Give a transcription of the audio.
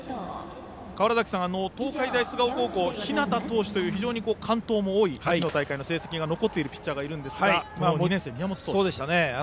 川原崎さん、東海大菅生高校日當投手という非常に完投も多い秋の大会、いい成績が残っているピッチャーがいますが２年生の宮本投手。